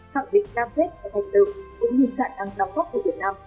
khẳng định cam kết và thành tựu cũng như khả năng đóng góp của việt nam